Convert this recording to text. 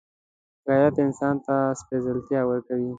غیرت انسان ته سپېڅلتیا ورکوي